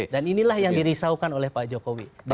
inilah yang dirisaukan oleh pak jokowi